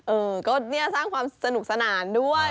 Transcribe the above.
เออก็เนี่ยสร้างความสนุกสนานด้วย